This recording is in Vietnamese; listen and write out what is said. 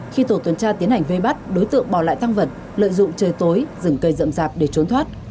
khi tổ tuần tra tiến hành vây bắt đối tượng bỏ lại tăng vật lợi dụng trời tối dừng cây rậm rạp để trốn thoát